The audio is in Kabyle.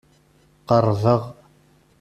Qerrbeɣ.